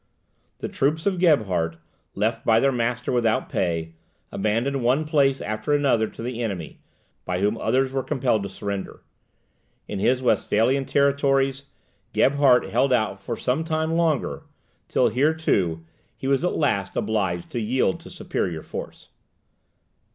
The troops of Gebhard, left by their master without pay, abandoned one place after another to the enemy; by whom others were compelled to surrender. In his Westphalian territories, Gebhard held out for some time longer, till here, too, he was at last obliged to yield to superior force.